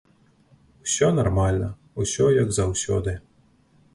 Усё нармальна, усё як заўсёды.